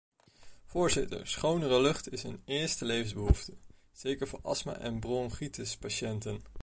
Voorzitter, schonere lucht is een eerste levensbehoefte, zeker voor astma- en bronchitis-patiënten.